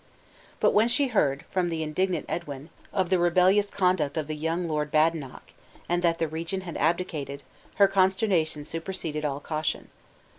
But when she heard, from the indignant Edwin, of the rebellious conduct of the young Lord Badenoch, and that the regent had abdicated, her consternation superseded all caution.